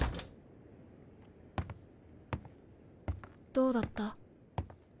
どうだった？